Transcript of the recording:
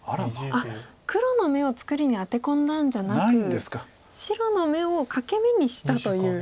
あっ黒の眼を作りにアテ込んだんじゃなく白の眼を欠け眼にしたという。